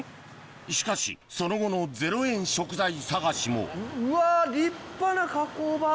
しかしその後の０円食材探しもうわ！